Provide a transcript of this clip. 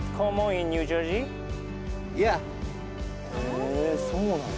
へえそうなんだ。